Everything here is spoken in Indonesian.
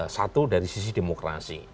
satu dari sisi demokrasi